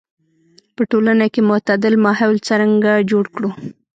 په ټولنه کې معتدل ماحول څرنګه جوړ کړو.